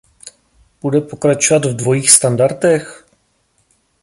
Bude pokračovat v dvojích standardech?